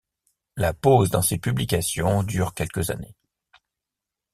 La pause dans ses publications dure quelques années.